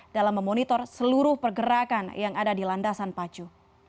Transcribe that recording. dalam memonitor seluruh pergerakan yang ada di landasan pacu